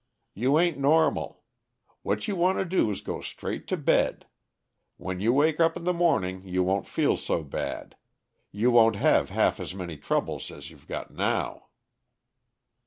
You ain't normal. What you want to do is go straight to bed. When you wake up in the morning you won't feel so bad. You won't have half as many troubles as you've got now."